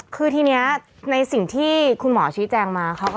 คือทีนี้ในสิ่งที่คุณหมอชี้แจงมาเขาก็